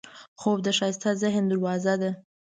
خوب د ښایسته ذهن دروازه ده